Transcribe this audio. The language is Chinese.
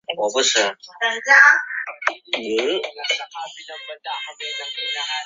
这部分幸存者的化石发现于澳大利亚东部及塔斯马尼亚岛上。